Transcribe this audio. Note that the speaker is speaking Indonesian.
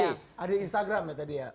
ada di instagram ya tadi ya